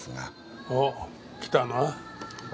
おっきたな。